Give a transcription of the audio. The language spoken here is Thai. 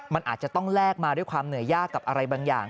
มันอาจจะต้องแลกมาด้วยความเหนื่อยยากกับอะไรบางอย่าง